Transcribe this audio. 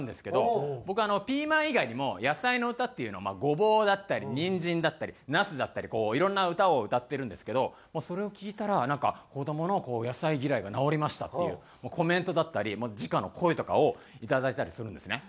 僕ピーマン以外にも野菜の歌っていうのをゴボウだったりニンジンだったりナスだったりいろんな歌を歌ってるんですけどそれを聴いたらなんか「子どもの野菜嫌いが直りました」っていうコメントだったりじかの声とかをいただいたりするんですね。